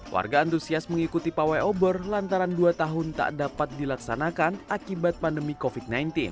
warga antusias mengikuti pawai obor lantaran dua tahun tak dapat dilaksanakan akibat pandemi covid sembilan belas